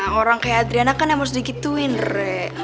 nah orang kayak adriana kan yang harus dikituin re